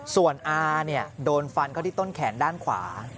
ส่วนอาโดนฟันเข้าที่ต้นแขนด้านขวา